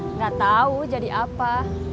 nggak tahu jadi apa